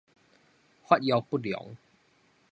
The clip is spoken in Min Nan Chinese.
發育不良